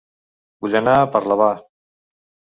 Vull anar a Parlavà